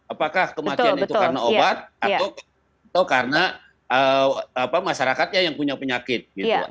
apakah kematian itu karena obat atau karena masyarakatnya yang punya penyakit gitu